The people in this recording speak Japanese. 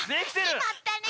きまったね。